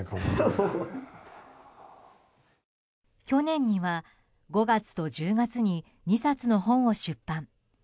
去年には５月と１０月に２冊の本を出版。